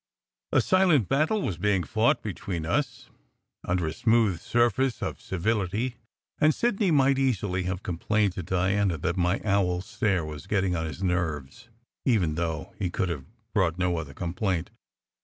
A silent battle was being fought between us under a smooth surface of civility, and Sidney might easily have complained to Diana that my owl stare was "getting on his nerves," even though he could have brought no other complaint.